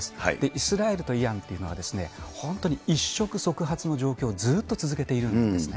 イスラエルとイランというのは、本当に一触即発の状況をずっと続けているんですね。